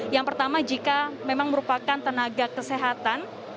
yang pertama jika memang merupakan tenaga kesehatan